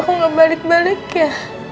kok gak balik balik ya